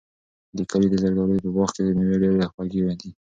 د کلي د زردالیو په باغ کې مېوې ډېرې خوږې دي.